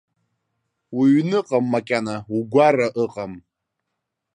Уҩны ыҟам макьана, угәара ыҟам.